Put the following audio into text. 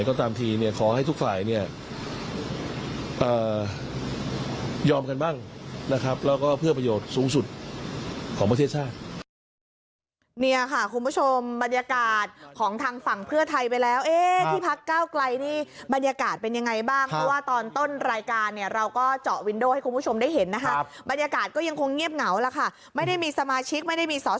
กำลังสะกดรอเรืออ้ออ่างอ่ารอรอรอรอรอนะฮะ